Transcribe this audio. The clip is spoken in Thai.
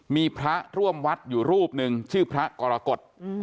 มีพระร่วมวัดอยู่รูปหนึ่งชื่อพระกรกฎ